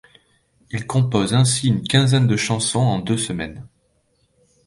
Il compose ainsi une quinzaine de chansons en deux semaines.